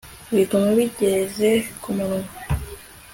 biguma bigeze ku munwa